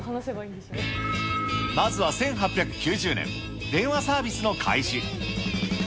まずは１８９０年、電話サービスの開始。